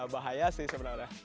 bahaya sih sebenarnya